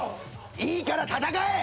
いいから戦え！